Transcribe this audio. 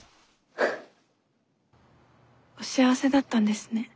お幸せだったんですね。